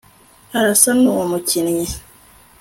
arasa nuwo mukinnyi